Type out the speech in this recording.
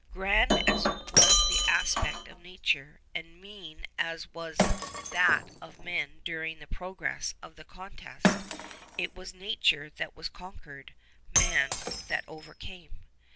Grand as was the aspect of nature, and mean as was that of man during the progress of the contest, it was nature that was conquered, man that overcame.